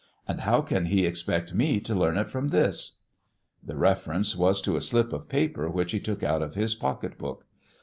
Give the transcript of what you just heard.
And how can he expect me to learn it from this ]" The reference was to a slip of paper which he took out of his pocket book.